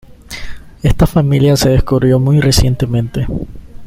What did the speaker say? Esta familia se descubrió muy recientemente.